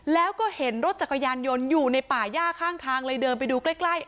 แล้วก็เห็นรถจักรยานยนต์อยู่ในป่าย่าข้างทางเลยเดินไปดูใกล้